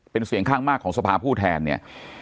เป็นเสียงข้างมากของสภาผู้แทนเนี่ย